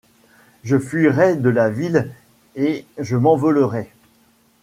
Je fuirai de la ville et je m'envolerai